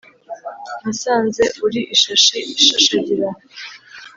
nasanze uri ishashi ishashagirana